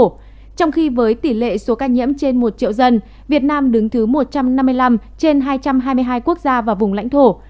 trong khi với tỷ lệ số ca nhiễm trên một triệu dân việt nam đứng thứ một trăm năm mươi năm trên hai trăm hai mươi hai quốc gia và vùng lãnh thổ